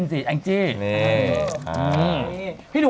ต่อทองต่อทอง